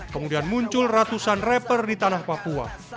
kemudian muncul ratusan rapper di tanah papua